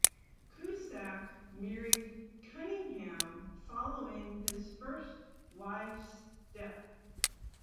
Cusack married Cunningham following his first wife's death.